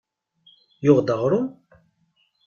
Yuɣ-d aɣrum?